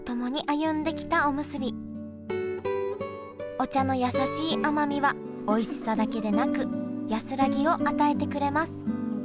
お茶のやさしい甘みはおいしさだけでなく安らぎを与えてくれます